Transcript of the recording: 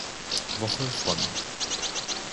Woche schwanger.